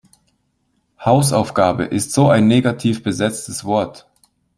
Hausaufgabe ist so ein negativ besetztes Wort.